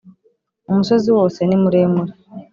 Umusozi wose nimuremure.